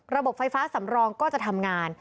ระบบไฟฟ้าสำรองก็จะทำงาน